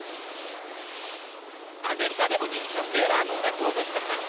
アメリカでも人気のセーラームーンが登場しました。